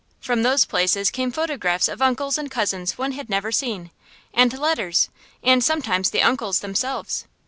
From those places came photographs of uncles and cousins one had never seen, and letters, and sometimes the uncles themselves.